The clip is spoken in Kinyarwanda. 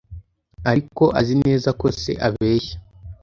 ariko azi neza ko se abeshya